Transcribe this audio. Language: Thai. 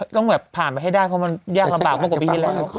ต้องแบบผ่านไปให้ได้เพราะมันยากลำบากมากกว่าปีที่แล้ว